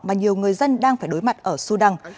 mà nhiều người dân đang phải đối mặt ở sudan